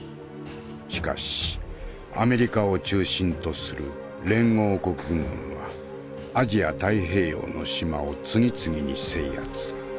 しかしアメリカを中心とする連合国軍はアジア太平洋の島を次々に制圧。